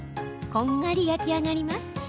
こんがり焼き上がります。